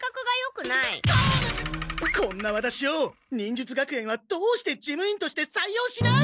こんなワタシを忍術学園はどうして事務員として採用しない！